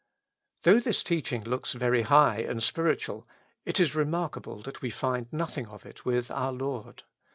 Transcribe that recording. Though this teaching looks very high and spiritual, it is remarka ble that we find nothing of it with our Lord.